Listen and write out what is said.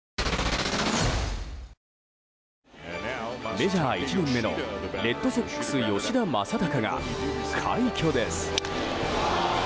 メジャー１年目のレッドソックス吉田正尚が快挙です。